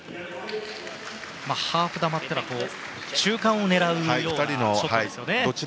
ハーフ球というのは中間を狙うようなショットですよね。